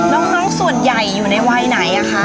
น้องส่วนใหญ่อยู่ในวัยไหนคะ